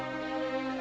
aku mau ke rumah